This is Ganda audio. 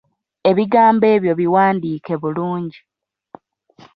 Ebigambo ebyo biwandiike bulungi.